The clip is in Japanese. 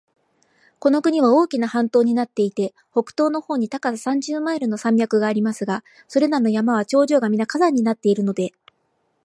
この国は大きな半島になっていて、北東の方に高さ三十マイルの山脈がありますが、それらの山は頂上がみな火山になっているので、